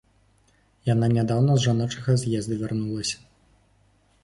Яна нядаўна з жаночага з'езда вярнулася.